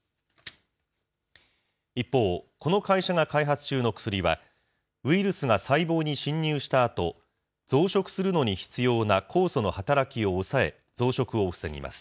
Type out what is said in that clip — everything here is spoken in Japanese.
一方、この会社が開発中の薬は、ウイルスが細胞に侵入したあと、増殖するのに必要な酵素の働きを抑え、増殖を防ぎます。